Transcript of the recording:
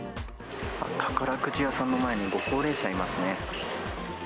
宝くじ屋さんの前にご高齢者いますね。